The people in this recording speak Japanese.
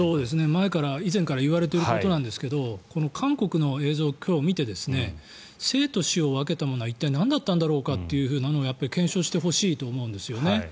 前から、以前からいわれていることですが韓国の映像を今日見て生と死を分けたものは一体何だったんだろうかというのを検証してほしいと思うんです。